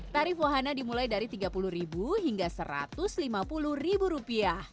tarif wahana dimulai dari rp tiga puluh hingga rp satu ratus lima puluh